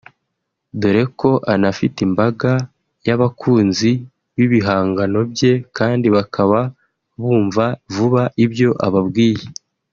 dore ko anafite imbaga y’abakunzi b’ibihangano bye kandi bakaba bumva vuba ibyo ababwiye